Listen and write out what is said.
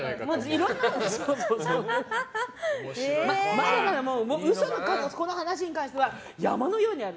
まだまだ、この話に関しては山のようにある。